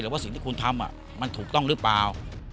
ว่าสิ่งที่คุณทำมันถูกต้องหรือเปล่า